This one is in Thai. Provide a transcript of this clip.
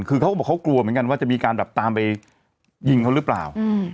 คือเขาก็บอกเขากลัวเหมือนกันว่าจะมีการแบบตามไปยิงเขาหรือเปล่า